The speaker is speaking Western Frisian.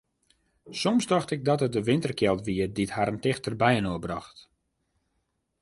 Soms tocht ik dat it de winterkjeld wie dy't harren tichter byinoar brocht.